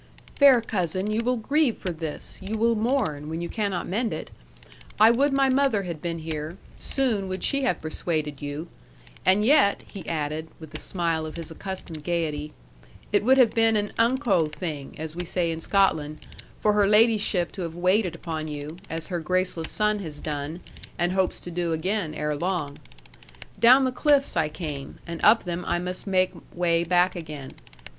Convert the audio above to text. '"Fair cousin, you will grieve for this; you will mourn, when you cannot mend it. I would my mother had been here, soon would she have persuaded you. And yet," he added, with the smile of his accustomed gaiety, "it would have been an unco thing, as we say in Scotland, for her ladyship to have waited upon you, as her graceless son has done, and hopes to do again ere long. Down the cliffs I came, and up them I must make way back again.